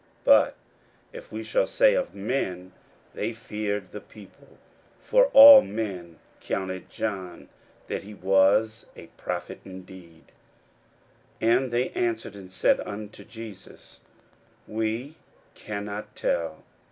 41:011:032 But if we shall say, Of men; they feared the people: for all men counted John, that he was a prophet indeed. 41:011:033 And they answered and said unto Jesus, We cannot tell.